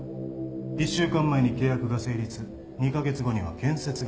１週間前に契約が成立２カ月後には建設が始まる。